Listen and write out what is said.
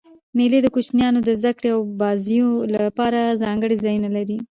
مېلې د کوچنيانو د زدهکړي او بازيو له پاره ځانګړي ځایونه لري.